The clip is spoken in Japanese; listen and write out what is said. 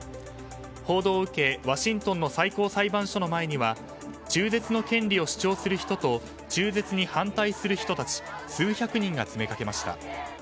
報道を受け、ワシントンの最高裁判所の前には中絶の権利を主張する人と中絶に反対する人たち数百人が詰めかけました。